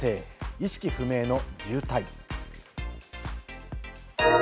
意識不明の重体。